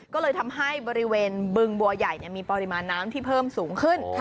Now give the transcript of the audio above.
ก็เลยทำให้บริเวณบึงบัวใหญ่มีปริมาณน้ำที่เพิ่มสูงขึ้น